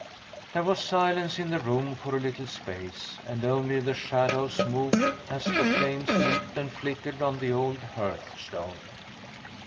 There was silence in the room for a little space, and only the shadows moved as the flames leaped and flickered on the old hearthstone.